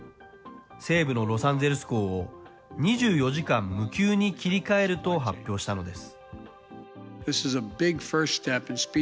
西部のロサンゼルス港を２４時間無休に切り替えると発表したのです。